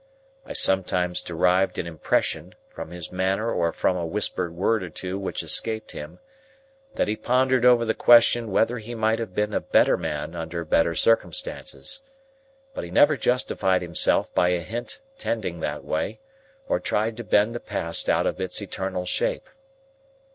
I sometimes derived an impression, from his manner or from a whispered word or two which escaped him, that he pondered over the question whether he might have been a better man under better circumstances. But he never justified himself by a hint tending that way, or tried to bend the past out of its eternal shape.